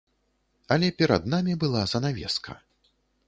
Але перад намі была занавеска.